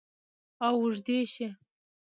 او اوږدې شي